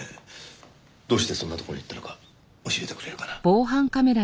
どうしてそんな所に行ったのか教えてくれるかな？